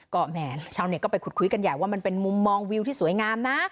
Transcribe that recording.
ก็แหมชาวเน็ตก็ไปขุดคุยกันใหญ่ว่ามันเป็นมุมมองวิวที่สวยงามนะ